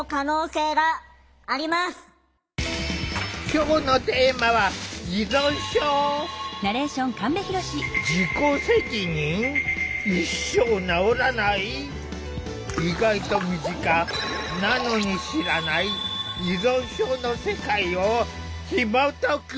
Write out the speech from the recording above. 今日のテーマは意外と身近なのに知らない依存症の世界をひもとく！